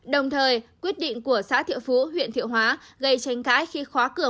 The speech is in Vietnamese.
đồng thời quyết định của xã thiệu phú huyện thiệu hóa gây tranh cãi khi khóa cửa